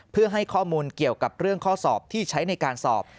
เพื่อให้ข้อมูลเกี่ยวกับเรื่องข้อสอบที่ใช้ในการสอบ